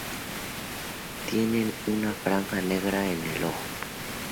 Tienen una franja negra en el ojo.